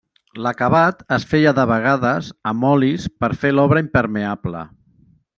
L'acabat es feia de vegades amb olis per fer l'obra impermeable.